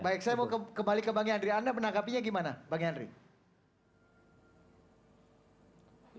baik saya mau kembali ke bang yandri anda menangkapinya gimana bang yandri